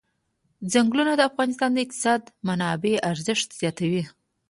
ځنګلونه د افغانستان د اقتصادي منابعو ارزښت زیاتوي.